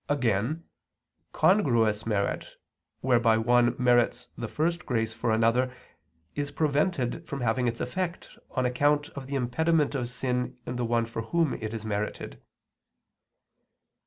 Again, congruous merit, whereby one merits the first grace for another, is prevented from having its effect on account of the impediment of sin in the one for whom it is merited.